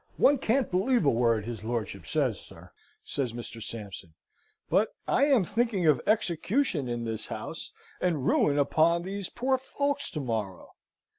One can't believe a word his lordship says, sir," says Mr. Sampson; "but I am thinking of execution in this house, and ruin upon these poor folks to morrow."